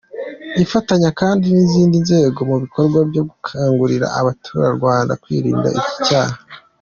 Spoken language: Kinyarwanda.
Ifatanya kandi n’izindi nzego mu bikorwa byo gukangurira Abaturarwanda kwirinda iki cyaha.